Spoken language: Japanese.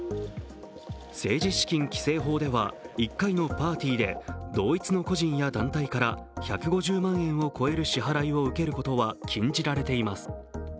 政治資金規正法では１回のパーティーで同一の個人や団体から１５０万円を超える支払いを受けることは禁じられています。